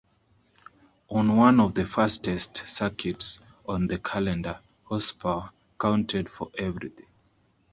On one of the fastest circuits on the calendar, horsepower counted for everything.